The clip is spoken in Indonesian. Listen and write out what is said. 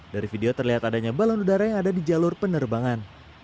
dari video terlihat adanya balon udara yang ada di jalur penerbangan